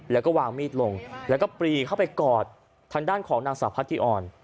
แล้วก็วางมีดลงแล้วก็ปรีเข้าไปกอดทางด้านของนางสาวพัทธิอ่อน